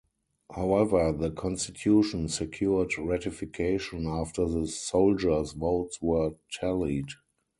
However, the constitution secured ratification after the soldiers' votes were tallied.